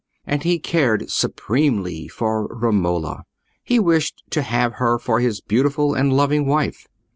And he cared supremely for Romola; he wished to have her for his beautiful and loving wife.